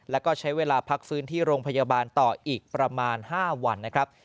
แล้วก็ใช้เวลาพักฟื้นที่โรงพยาบาลต่ออีกประมาณ๕วันนะครับ